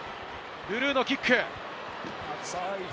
ルルーのキック。